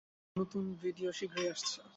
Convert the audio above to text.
আরেকটা নতুন ভিডিও শীঘ্রই আসছে।